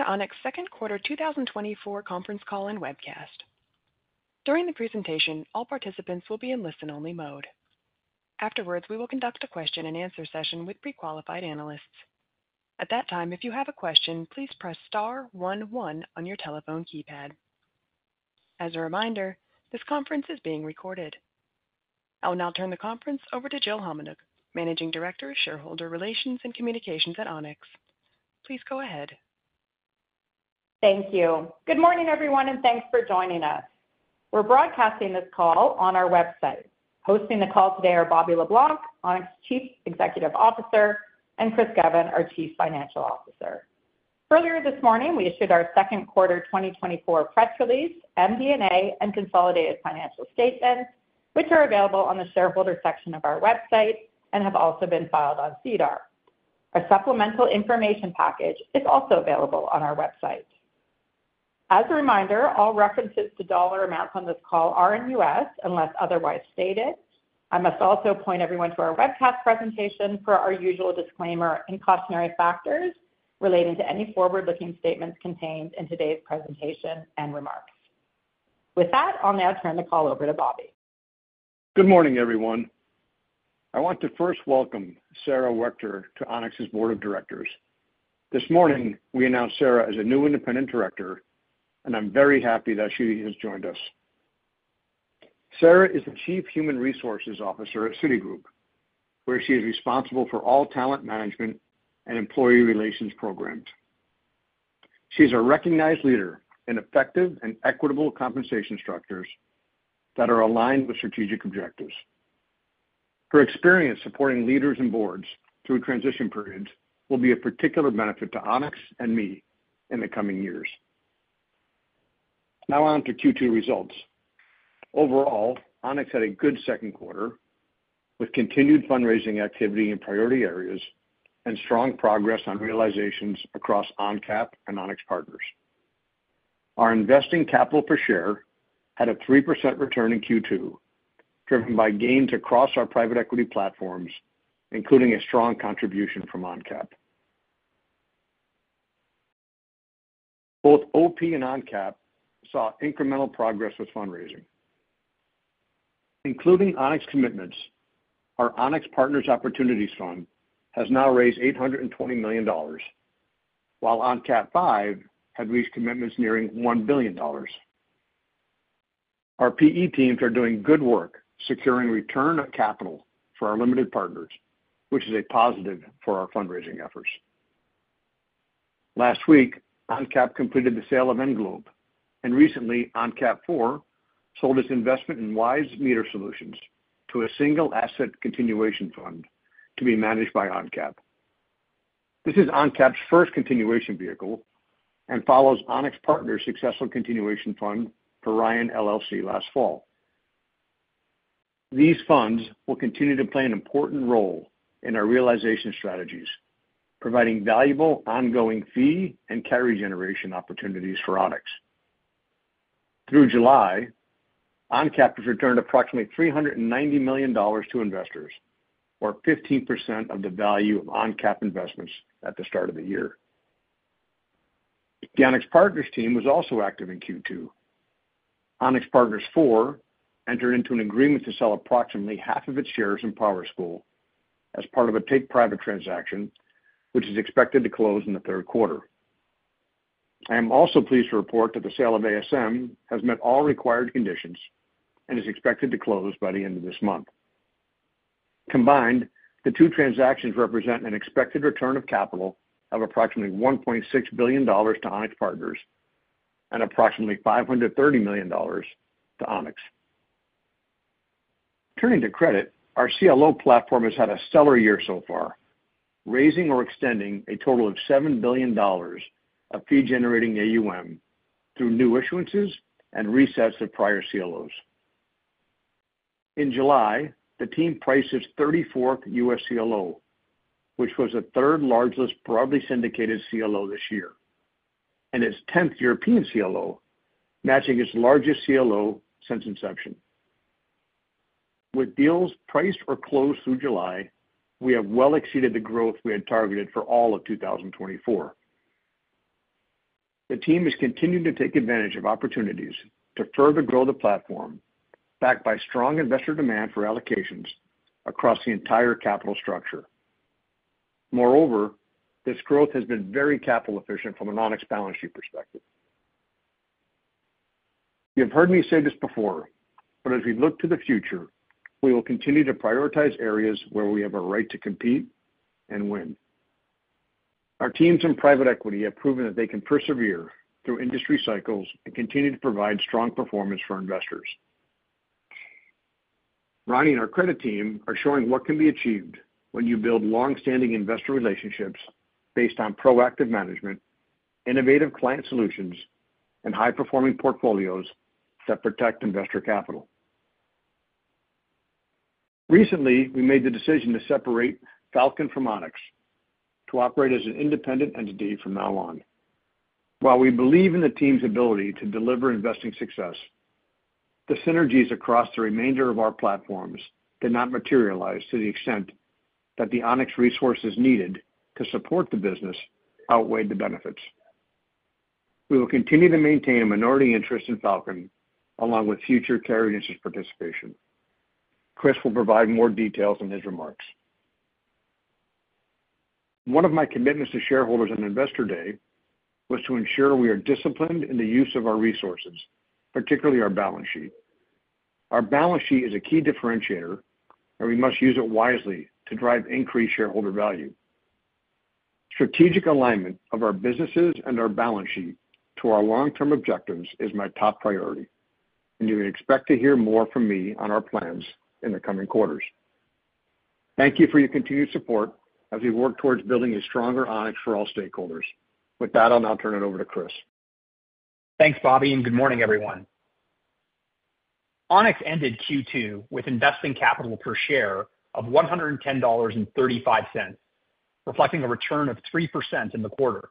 Welcome to Onex Second Quarter 2024 Conference Call and Webcast. During the presentation, all participants will be in listen-only mode. Afterwards, we will conduct a question-and-answer session with pre-qualified analysts. At that time, if you have a question, please press star one one on your telephone keypad. As a reminder, this conference is being recorded. I will now turn the conference over to Jill Hominuk, Managing Director of Shareholder Relations and Communications at Onex. Please go ahead. Thank you. Good morning, everyone, and thanks for joining us. We're broadcasting this call on our website. Hosting the call today are Bobby Le Blanc, Onex Chief Executive Officer, and Chris Govan, our Chief Financial Officer. Earlier this morning, we issued our second quarter 2024 press release, MD&A, and consolidated financial statements, which are available on the shareholder section of our website and have also been filed on SEDAR. A supplemental information package is also available on our website. As a reminder, all references to dollar amounts on this call are in U.S., unless otherwise stated. I must also point everyone to our webcast presentation for our usual disclaimer and cautionary factors relating to any forward-looking statements contained in today's presentation and remarks. With that, I'll now turn the call over to Bobby. Good morning, everyone. I want to first welcome Sara Wechter to Onex's Board of Directors. This morning, we announced Sara as a new independent director, and I'm very happy that she has joined us. Sara is the Chief Human Resources Officer at Citigroup, where she is responsible for all talent management and employee relations programs. She's a recognized leader in effective and equitable compensation structures that are aligned with strategic objectives. Her experience supporting leaders and boards through transition periods will be a particular benefit to Onex and me in the coming years. Now on to Q2 results. Overall, Onex had a good second quarter, with continued fundraising activity in priority areas and strong progress on realizations across ONCAP and Onex Partners. Our investing capital per share had a 3% return in Q2, driven by gains across our private equity platforms, including a strong contribution from ONCAP. Both OP and ONCAP saw incremental progress with fundraising. Including Onex commitments, our Onex Partners Opportunities Fund has now raised $820 million, while ONCAP V had reached commitments nearing $1 billion. Our PE teams are doing good work securing return on capital for our limited partners, which is a positive for our fundraising efforts. Last week, ONCAP completed the sale of Englobe, and recently, ONCAP IV sold its investment in Wyse Meter Solutions to a single asset continuation fund to be managed by ONCAP. This is ONCAP's first continuation vehicle and follows Onex Partners' successful continuation fund for Ryan LLC last fall. These funds will continue to play an important role in our realization strategies, providing valuable ongoing fee and carry generation opportunities for Onex. Through July, ONCAP has returned approximately $390 million to investors, or 15% of the value of ONCAP investments at the start of the year. The Onex Partners team was also active in Q2. Onex Partners IV entered into an agreement to sell approximately half of its shares in PowerSchool as part of a take-private transaction, which is expected to close in the third quarter. I am also pleased to report that the sale of ASM has met all required conditions and is expected to close by the end of this month. Combined, the two transactions represent an expected return of capital of approximately $1.6 billion to Onex Partners and approximately $530 million to Onex. Turning to credit, our CLO platform has had a stellar year so far, raising or extending a total of $7 billion of fee-generating AUM through new issuances and resets of prior CLOs. In July, the team priced its 34th U.S. CLO, which was the third largest broadly syndicated CLO this year, and its 10th European CLO, matching its largest CLO since inception. With deals priced or closed through July, we have well exceeded the growth we had targeted for all of 2024. The team has continued to take advantage of opportunities to further grow the platform, backed by strong investor demand for allocations across the entire capital structure. Moreover, this growth has been very capital efficient from an Onex balance sheet perspective. You've heard me say this before, but as we look to the future, we will continue to prioritize areas where we have a right to compete and win. Our teams in private equity have proven that they can persevere through industry cycles and continue to provide strong performance for our investors. Ronnie and our credit team are showing what can be achieved when you build long-standing investor relationships based on proactive management, innovative client solutions, and high-performing portfolios that protect investor capital. Recently, we made the decision to separate Falcon from Onex to operate as an independent entity from now on. While we believe in the team's ability to deliver investing success, the synergies across the remainder of our platforms did not materialize to the extent that the Onex resources needed to support the business outweighed the benefits. We will continue to maintain a minority interest in Falcon, along with future carried interest participation. Chris will provide more details in his remarks. One of my commitments to shareholders on Investor Day was to ensure we are disciplined in the use of our resources, particularly our balance sheet. Our balance sheet is a key differentiator, and we must use it wisely to drive increased shareholder value. Strategic alignment of our businesses and our balance sheet to our long-term objectives is my top priority, and you would expect to hear more from me on our plans in the coming quarters. Thank you for your continued support as we work towards building a stronger Onex for all stakeholders. With that, I'll now turn it over to Chris. Thanks, Bobby, and good morning, everyone. Onex ended Q2 with investing capital per share of $110.35, reflecting a return of 3% in the quarter.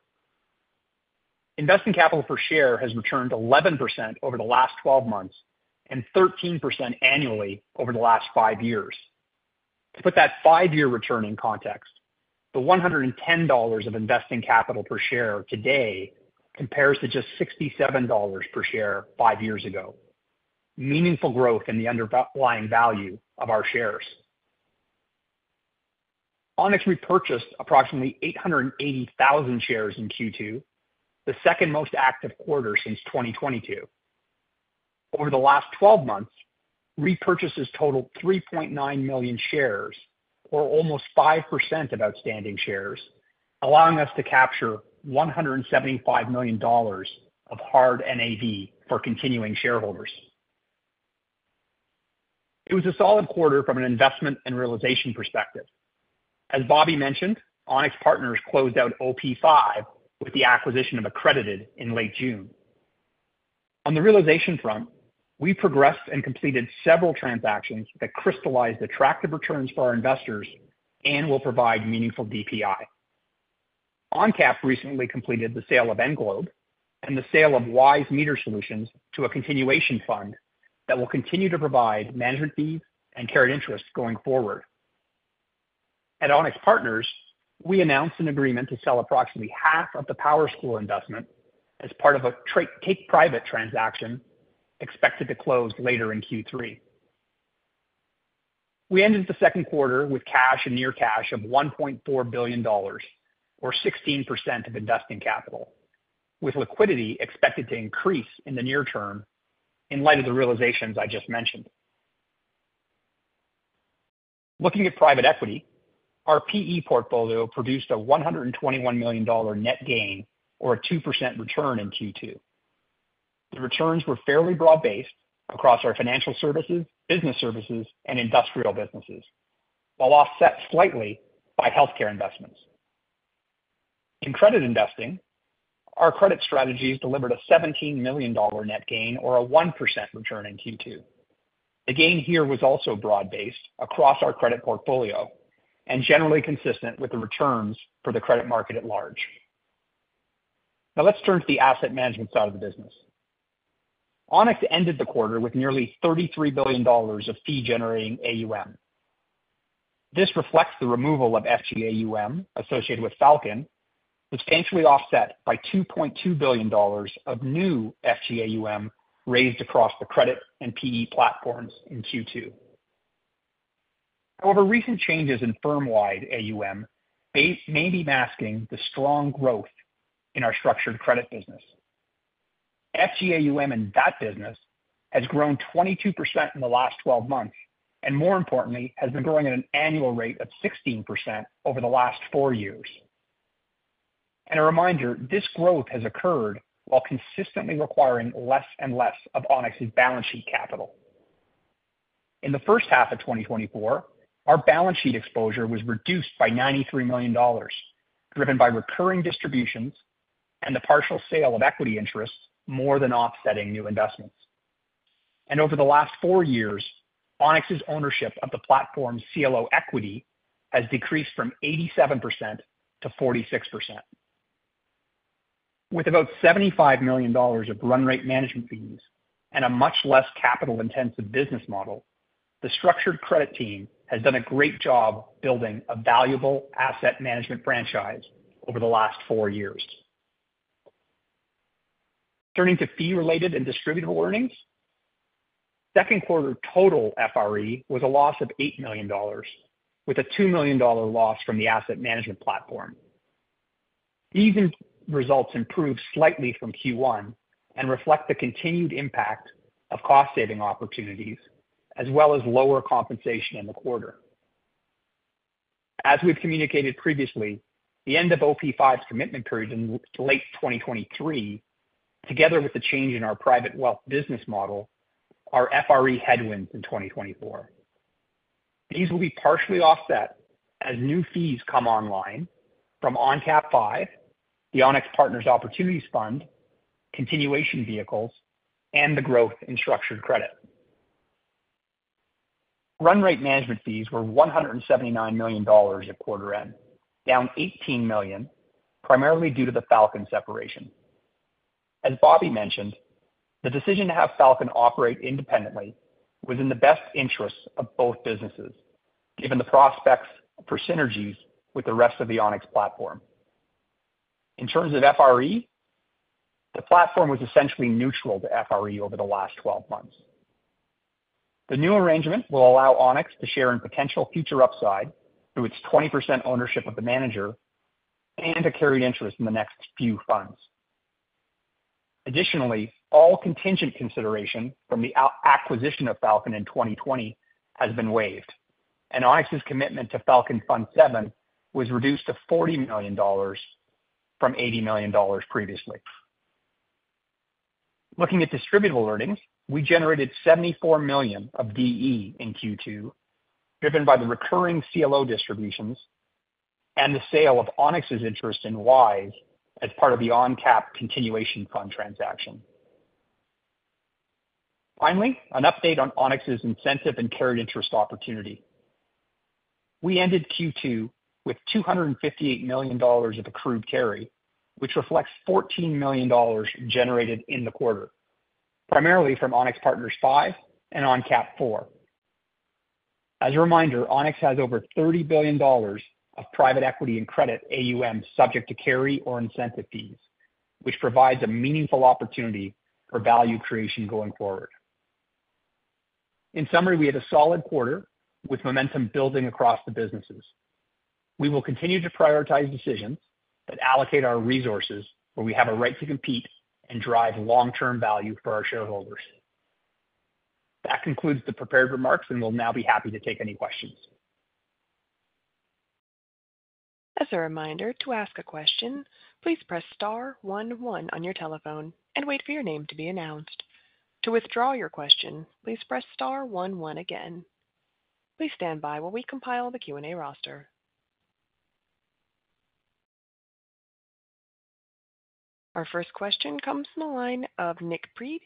Investing capital per share has returned 11% over the last twelve months and 13% annually over the last five years. To put that five-year return in context, the $110 of investing capital per share today compares to just $67 per share five years ago. Meaningful growth in the underlying value of our shares. Onex repurchased approximately 880,000 shares in Q2, the second most active quarter since 2022. Over the last twelve months, repurchases totaled 3.9 million shares, or almost 5% of outstanding shares, allowing us to capture $175 million of hard NAV for continuing shareholders. It was a solid quarter from an investment and realization perspective. As Bobby mentioned, Onex Partners closed out OP5 with the acquisition of Accredited in late June. On the realization front, we progressed and completed several transactions that crystallized attractive returns for our investors and will provide meaningful DPI. ONCAP recently completed the sale of Englobe and the sale of Wyse Meter Solutions to a continuation fund that will continue to provide management fees and carried interest going forward. At Onex Partners, we announced an agreement to sell approximately half of the PowerSchool investment as part of a take-private transaction expected to close later in Q3. We ended the second quarter with cash and near cash of $1.4 billion, or 16% of investing capital, with liquidity expected to increase in the near term in light of the realizations I just mentioned. Looking at private equity, our PE portfolio produced a $121 million net gain or a 2% return in Q2. The returns were fairly broad-based across our financial services, business services, and industrial businesses, while offset slightly by healthcare investments. In credit investing, our credit strategies delivered a $17 million net gain or a 1% return in Q2. The gain here was also broad-based across our credit portfolio and generally consistent with the returns for the credit market at large. Now let's turn to the asset management side of the business. Onex ended the quarter with nearly $33 billion of fee-generating AUM. This reflects the removal of FGAUM associated with Falcon, substantially offset by $2.2 billion of new FGAUM raised across the credit and PE platforms in Q2. However, recent changes in firm-wide AUM base may be masking the strong growth in our structured credit business. FGAUM in that business has grown 22% in the last 12 months, and more importantly, has been growing at an annual rate of 16% over the last four years. A reminder, this growth has occurred while consistently requiring less and less of Onex's balance sheet capital. In the first half of 2024, our balance sheet exposure was reduced by $93 million, driven by recurring distributions and the partial sale of equity interests more than offsetting new investments. Over the last four years, Onex's ownership of the platform's CLO equity has decreased from 87% to 46%. With about $75 million of run rate management fees and a much less capital-intensive business model, the structured credit team has done a great job building a valuable asset management franchise over the last four years. Turning to fee-related and distributable earnings. Second quarter total FRE was a loss of $8 million, with a $2 million loss from the asset management platform. These results improved slightly from Q1 and reflect the continued impact of cost-saving opportunities, as well as lower compensation in the quarter. As we've communicated previously, the end of OP5's commitment period in late 2023, together with the change in our private wealth business model, are FRE headwinds in 2024. These will be partially offset as new fees come online from ONCAP V, the Onex Partners Opportunities Fund, continuation vehicles, and the growth in structured credit. Run rate management fees were $179 million at quarter end, down $18 million, primarily due to the Falcon separation. As Bobby mentioned, the decision to have Falcon operate independently was in the best interest of both businesses, given the prospects for synergies with the rest of the Onex platform. In terms of FRE, the platform was essentially neutral to FRE over the last twelve months. The new arrangement will allow Onex to share in potential future upside through its 20% ownership of the manager and a carried interest in the next few funds. Additionally, all contingent consideration from the acquisition of Falcon in 2020 has been waived, and Onex's commitment to Falcon Fund VII was reduced to $40 million from $80 million previously. Looking at distributable earnings, we generated $74 million of DE in Q2, driven by the recurring CLO distributions and the sale of Onex's interest in Wyse as part of the ONCAP continuation fund transaction. Finally, an update on Onex's incentive and carried interest opportunity. We ended Q2 with $258 million of accrued carry, which reflects $14 million generated in the quarter, primarily from Onex Partners V and ONCAP IV. As a reminder, Onex has over $30 billion of private equity and credit AUM subject to carry or incentive fees, which provides a meaningful opportunity for value creation going forward. In summary, we had a solid quarter with momentum building across the businesses. We will continue to prioritize decisions that allocate our resources, where we have a right to compete and drive long-term value for our shareholders. That concludes the prepared remarks, and we'll now be happy to take any questions. As a reminder, to ask a question, please press star one one on your telephone and wait for your name to be announced. To withdraw your question, please press star one one again. Please stand by while we compile the Q&A roster. Our first question comes from the line of Nik Priebe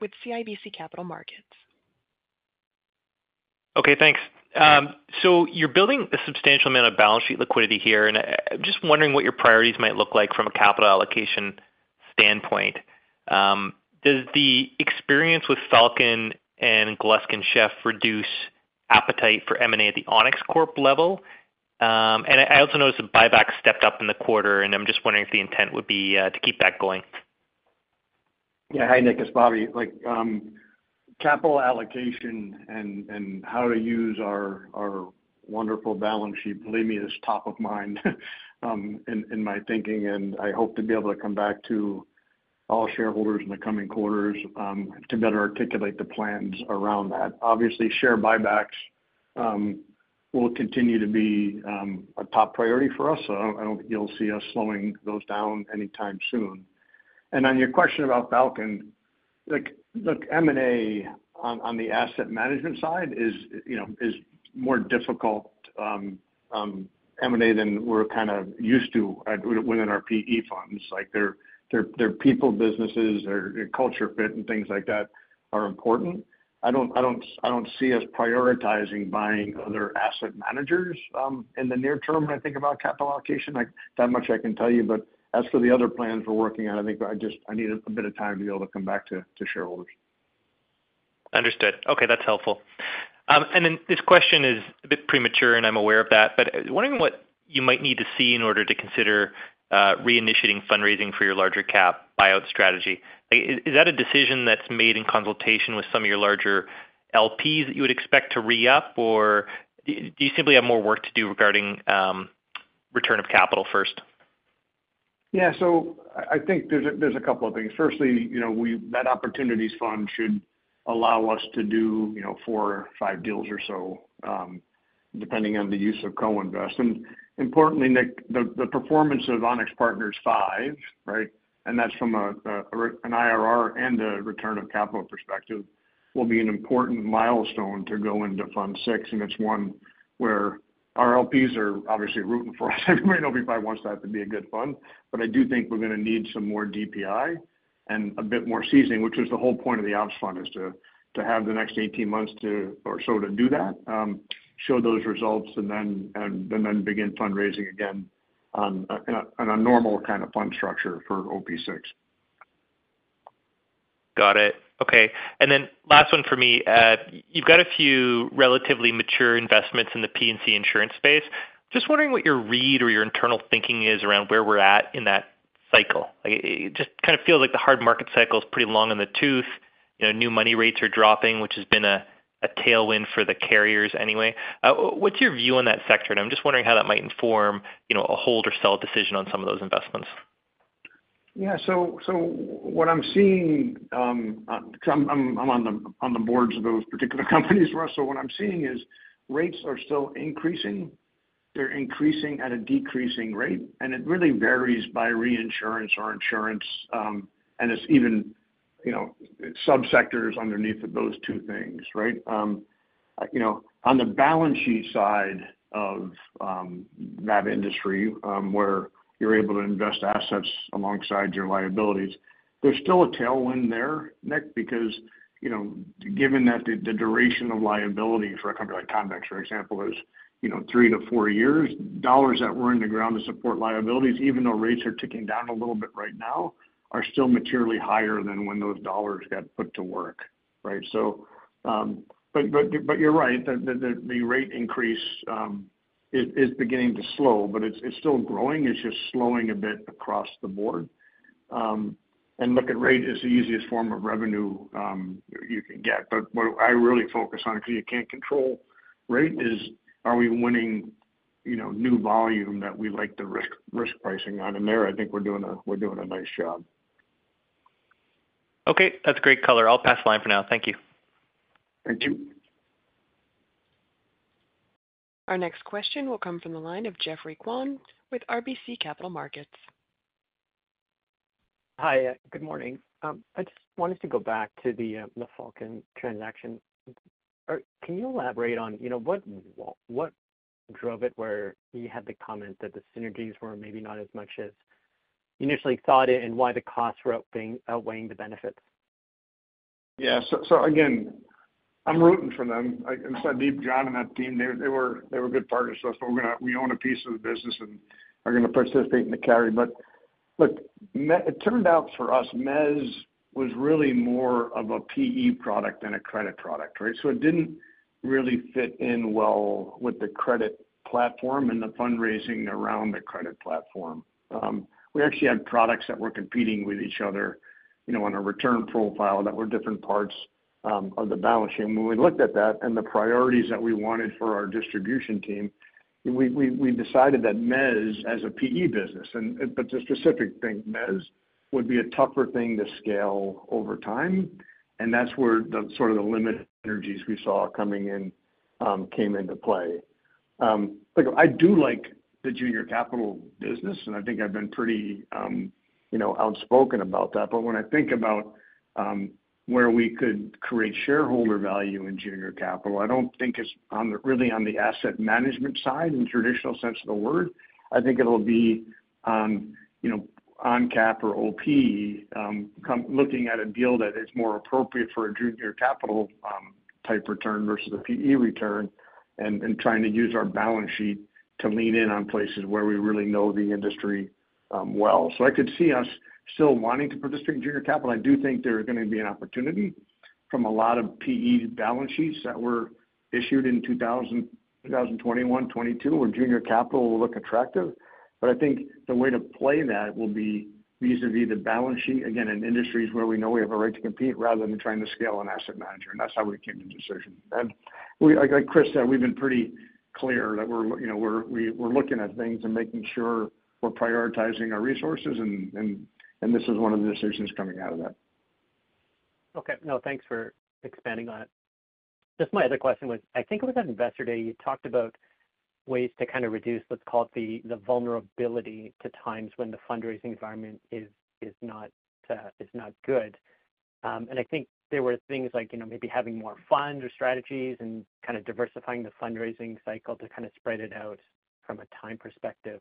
with CIBC Capital Markets. Okay, thanks. So you're building a substantial amount of balance sheet liquidity here, and I'm just wondering what your priorities might look like from a capital allocation standpoint. Does the experience with Falcon and Gluskin Sheff reduce appetite for M&A at the Onex Corp level? And I also noticed the buyback stepped up in the quarter, and I'm just wondering if the intent would be to keep that going. Yeah. Hi, Nik, it's Bobby. Like, capital allocation and how to use our wonderful balance sheet, believe me, is top of mind in my thinking, and I hope to be able to come back to all shareholders in the coming quarters to better articulate the plans around that. Obviously, share buybacks will continue to be a top priority for us, so I don't think you'll see us slowing those down anytime soon. And on your question about Falcon, like, look, M&A on the asset management side is, you know, more difficult M&A than we're kind of used to within our PE funds. Like, they're people, businesses, they're culture fit and things like that are important. I don't see us prioritizing buying other asset managers in the near term when I think about capital allocation, like, that much I can tell you. But as for the other plans we're working on, I think I just, I need a bit of time to be able to come back to shareholders. Understood. Okay, that's helpful. And then this question is a bit premature, and I'm aware of that, but I'm wondering what you might need to see in order to consider reinitiating fundraising for your larger cap buyout strategy. Like, is that a decision that's made in consultation with some of your larger LPs that you would expect to re-up, or do you simply have more work to do regarding return of capital first? Yeah, so I think there's a couple of things. Firstly, you know, we that opportunities fund should allow us to do, you know, four or five deals or so, depending on the use of co-invest. And importantly, Nik, the performance of Onex Partners Five, right? And that's from an IRR and a return on capital perspective, will be an important milestone to go into fund six, and it's one where our LPs are obviously rooting for us. Everybody probably wants that to be a good fund, but I do think we're gonna need some more DPI and a bit more seasoning, which is the whole point of the ops fund, is to have the next eighteen months or so to do that, show those results and then begin fundraising again on a normal kind of fund structure for OP6. Got it. Okay, and then last one for me. You've got a few relatively mature investments in the P&C insurance space. Just wondering what your read or your internal thinking is around where we're at in that cycle. Like, it just kind of feels like the hard market cycle is pretty long in the tooth. You know, new money rates are dropping, which has been a tailwind for the carriers anyway. What's your view on that sector? And I'm just wondering how that might inform, you know, a hold or sell decision on some of those investments. Yeah, so what I'm seeing, because I'm on the boards of those particular companies, Russ, so what I'm seeing is rates are still increasing. They're increasing at a decreasing rate, and it really varies by reinsurance or insurance, and it's you know, subsectors underneath of those two things, right? You know, on the balance sheet side of that industry, where you're able to invest assets alongside your liabilities, there's still a tailwind there, Nik, because, you know, given that the duration of liability for a company like Convex, for example, is, you know, three to four years, dollars that were in the ground to support liabilities, even though rates are ticking down a little bit right now, are still materially higher than when those dollars got put to work. Right? But you're right, the rate increase is beginning to slow, but it's still growing. It's just slowing a bit across the board. And look, rate is the easiest form of revenue you can get. But what I really focus on, because you can't control rate, is are we winning, you know, new volume that we like the risk pricing on? And there, I think we're doing a nice job. Okay, that's great color. I'll pass the line for now. Thank you. Thank you. Our next question will come from the line of Geoffrey Kwan with RBC Capital Markets. Hi, good morning. I just wanted to go back to the, the Falcon transaction. Can you elaborate on, you know, what, what drove it, where you had the comment that the synergies were maybe not as much as you initially thought it, and why the costs were outweighing the benefits? Yeah. So, so again, I'm rooting for them. Like I said, Deep, John, and that team, they, they were, they were good partners to us, but we're gonna—we own a piece of the business and are gonna participate in the carry. But look, it turned out for us, Mezz was really more of a PE product than a credit product, right? So it didn't really fit in well with the credit platform and the fundraising around the credit platform. We actually had products that were competing with each other, you know, on a return profile that were different parts of the balance sheet. When we looked at that and the priorities that we wanted for our distribution team, we decided that Mezz, as a PE business, and, but the specific thing, Mezz would be a tougher thing to scale over time, and that's where the sort of the limited synergies we saw coming in, came into play. Look, I do like the junior capital business, and I think I've been pretty, you know, outspoken about that. But when I think about where we could create shareholder value in junior capital, I don't think it's on the, really on the asset management side, in the traditional sense of the word. I think it'll be, you know, ONCAP or OP, looking at a deal that is more appropriate for a junior capital, type return versus a PE return, and, and trying to use our balance sheet to lean in on places where we really know the industry, well. So I could see us still wanting to participate in junior capital. I do think there are gonna be an opportunity from a lot of PE balance sheets that were issued in 2020, 2021, 2022, where junior capital will look attractive. But I think the way to play that will be vis-à-vis the balance sheet, again, in industries where we know we have a right to compete rather than trying to scale an asset manager, and that's how we came to the decision. Like Chris said, we've been pretty clear that we're, you know, looking at things and making sure we're prioritizing our resources, and this is one of the decisions coming out of that. Okay. No, thanks for expanding on it. Just my other question was, I think it was at Investor Day, you talked about ways to kind of reduce what's called the vulnerability to times when the fundraising environment is not good. And I think there were things like, you know, maybe having more funds or strategies and kind of diversifying the fundraising cycle to kind of spread it out from a time perspective.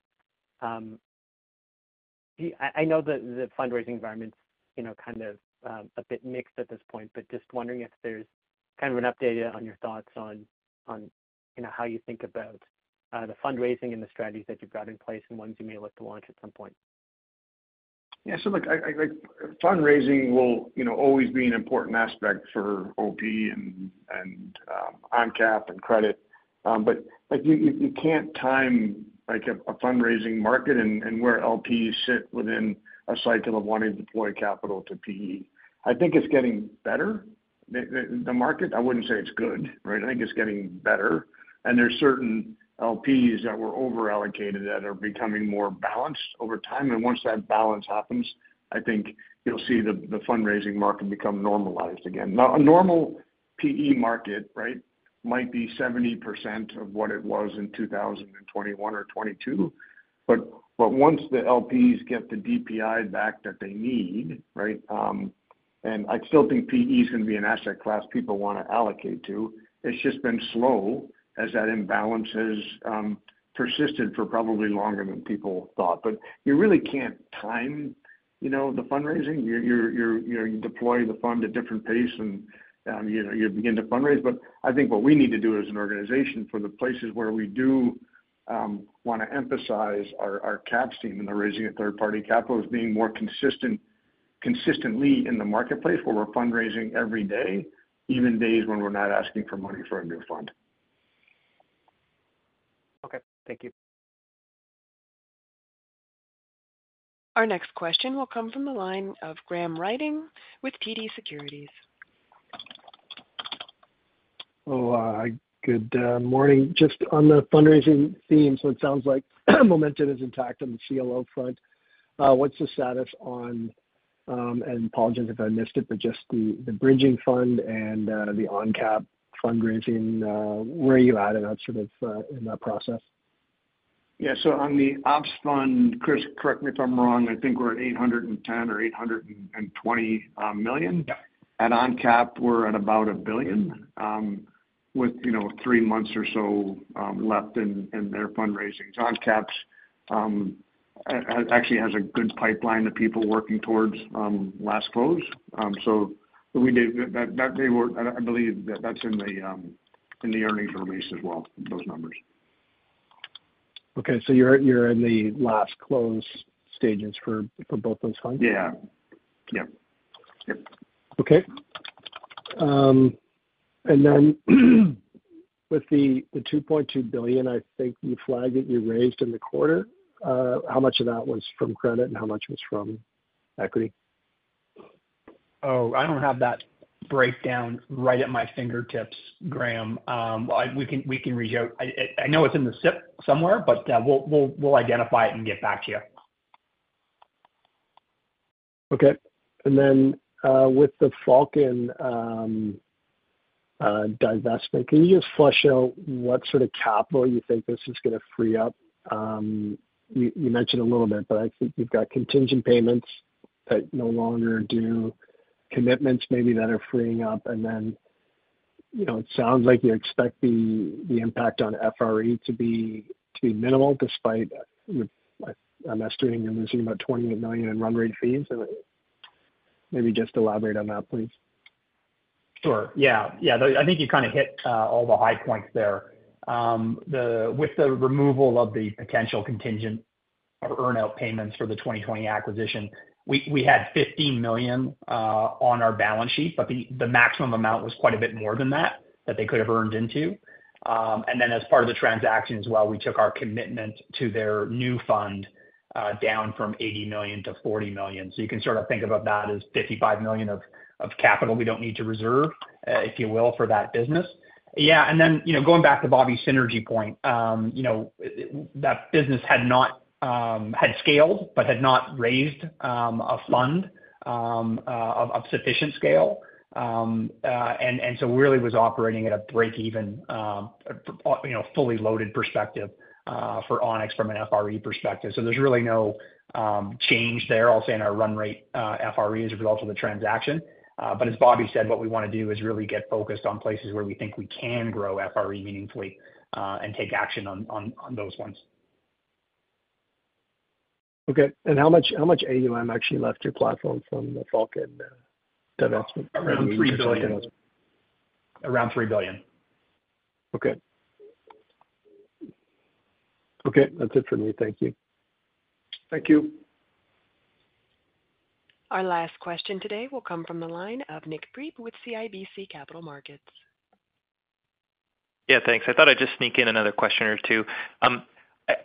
Do you—I know the fundraising environment's, you know, kind of a bit mixed at this point, but just wondering if there's kind of an update on your thoughts on, you know, how you think about the fundraising and the strategies that you've got in place and ones you may look to launch at some point. Yeah, so look, I like, fundraising will, you know, always be an important aspect for OP and, and, ONCAP and credit. But, like, you can't time, like, a fundraising market and, and where LPs sit within a cycle of wanting to deploy capital to PE. I think it's getting better, the market. I wouldn't say it's good, right? I think it's getting better, and there's certain LPs that were over-allocated that are becoming more balanced over time. And once that balance happens, I think you'll see the fundraising market become normalized again. Now, a normal PE market, right, might be 70% of what it was in 2021 or 2022, but once the LPs get the DPI back that they need, right, and I still think PE is gonna be an asset class people wanna allocate to, it's just been slow as that imbalance has persisted for probably longer than people thought. But you really can't time, you know, the fundraising. You're, you know, you deploy the fund at different pace and, you know, you begin to fundraise. But I think what we need to do as an organization for the places where we do wanna emphasize our ONCAP team and the raising of third-party capital, is being more consistently in the marketplace, where we're fundraising every day, even days when we're not asking for money for a new fund. Okay, thank you. Our next question will come from the line of Graham Ryding with TD Securities. Oh, good morning. Just on the fundraising theme, so it sounds like momentum is intact on the CLO front. What's the status on, and apologies if I missed it, but just the, the bridging fund and, the ONCAP fundraising, where are you at in that sort of, in that process? Yeah, so on the ops fund, Chris, correct me if I'm wrong, I think we're at $810 million or $820 million? Yeah. At ONCAP, we're at about $1 billion, with, you know, three months or so left in their fundraising. So ONCAP actually has a good pipeline of people working towards last close. So we did that I believe that's in the earnings release as well, those numbers. Okay. So you're in the last close stages for both those funds? Yeah. Yeah. Yep. Okay. And then with the $2.2 billion, I think you flagged that you raised in the quarter, how much of that was from credit and how much was from equity? Oh, I don't have that breakdown right at my fingertips, Graham. We can reach out. I know it's in the SIP somewhere, but we'll identify it and get back to you. Okay. And then with the Falcon divestment, can you just flesh out what sort of capital you think this is gonna free up? You mentioned a little bit, but I think you've got contingent payments that no longer do commitments, maybe that are freeing up. And then, you know, it sounds like you expect the impact on FRE to be minimal, despite I'm estimating you're losing about $20 million in run-rate fees. Maybe just elaborate on that, please. Sure. Yeah. Yeah, I think you kind of hit all the high points there. With the removal of the potential contingent or earn out payments for the 2020 acquisition, we, we had $50 million on our balance sheet, but the, the maximum amount was quite a bit more than that, that they could have earned into. And then as part of the transaction as well, we took our commitment to their new fund down from $80 million to $40 million. So you can sort of think about that as $55 million of, of capital we don't need to reserve, if you will, for that business. Yeah, and then, you know, going back to Bobby's synergy point, you know, that business had not had scaled, but had not raised a fund of sufficient scale. And so really was operating at a break-even, you know, fully loaded perspective for Onex from an FRE perspective. So there's really no change there, I'll say, in our run rate FRE as a result of the transaction. But as Bobby said, what we wanna do is really get focused on places where we think we can grow FRE meaningfully and take action on those ones. Okay. How much, how much AUM actually left your platform from the Falcon divestment? Around $3 billion. Around $3 billion. Okay. Okay, that's it for me. Thank you. Thank you. Our last question today will come from the line of Nik Priebe with CIBC Capital Markets. Yeah, thanks. I thought I'd just sneak in another question or two.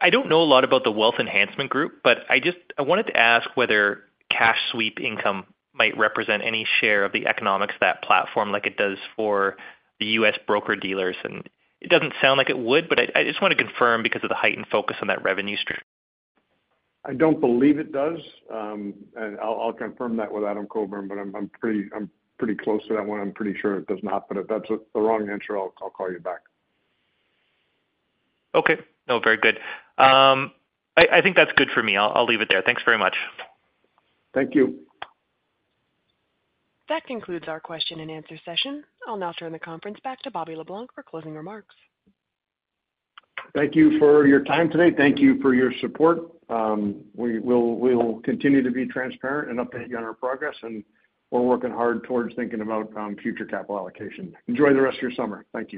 I don't know a lot about the Wealth Enhancement Group, but I just wanted to ask whether cash sweep income might represent any share of the economics of that platform, like it does for the U.S. broker-dealers. And it doesn't sound like it would, but I just want to confirm because of the heightened focus on that revenue stream. I don't believe it does. And I'll confirm that with Adam Coburn, but I'm pretty close to that one. I'm pretty sure it does not. But if that's the wrong answer, I'll call you back. Okay. No, very good. I think that's good for me. I'll leave it there. Thanks very much. Thank you. That concludes our question and answer session. I'll now turn the conference back to Bobby Le Blanc for closing remarks. Thank you for your time today. Thank you for your support. We will continue to be transparent and update you on our progress, and we're working hard towards thinking about future capital allocation. Enjoy the rest of your summer. Thank you.